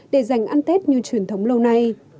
để dành ăn tết như truyền thống lâu nay